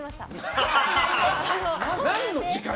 何の時間に？